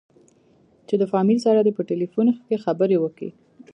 چې د فاميل سره دې په ټېلفون کښې خبرې وکې.